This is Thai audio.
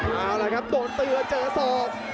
เอาล่ะครับโดนเตือนเจอศอก